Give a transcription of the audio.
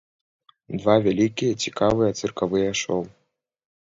Два вялікія цікавыя цыркавыя шоу.